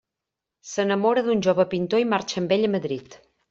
S’enamora d'un jove pintor i marxa amb ell a Madrid.